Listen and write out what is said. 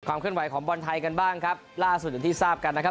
เคลื่อนไหวของบอลไทยกันบ้างครับล่าสุดอย่างที่ทราบกันนะครับ